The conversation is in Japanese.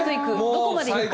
どこまでいくか？